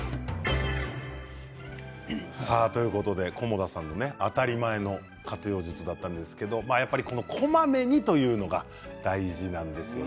菰田さんの当たり前の活用術だったんですけれどやっぱり、こまめにというのが大事なんですよね。